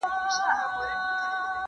د نړۍ ډیری هیوادونه اوس هم وروسته پاته دي.